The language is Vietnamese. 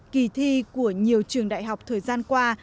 kỳ thi của nhiều trường đại học thời gian qua